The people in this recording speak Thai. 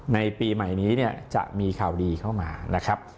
ในปีใหม่นี้เนี่ยจะมีข่าวดีเข้ามานะครับ